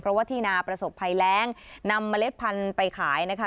เพราะว่าที่นาประสบภัยแรงนำเมล็ดพันธุ์ไปขายนะคะ